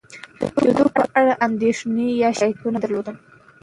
کېدو په اړه اندېښنې یا شکایتونه درلودل،